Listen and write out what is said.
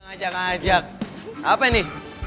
ngajak ngajak apa ini